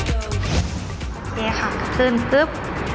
โอเคค่ะขึ้นซึบ